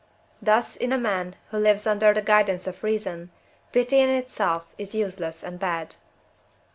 thus, in a man who lives under the guidance of reason, pity in itself is useless and bad.